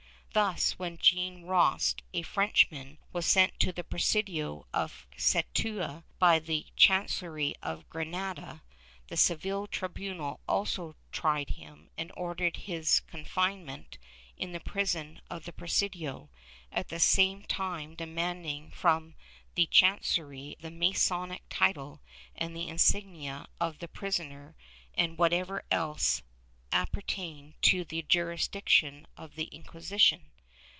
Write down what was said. Thus when Jean Rost, a Frenchman, was sent to the presidio of Ceuta by the chancellery of Granada, the Seville tribunal also tried him and ordered his confinement in the prison of the presidio, at the same time demanding from the chancellery the Masonic title and insignia of the prisoner and whatever else appertained to the jurisdiction of the Inquisition.